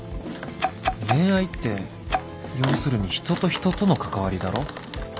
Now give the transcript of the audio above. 恋愛って要するに人と人との関わりだろ